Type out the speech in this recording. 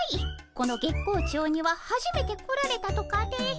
この月光町にははじめて来られたとかで。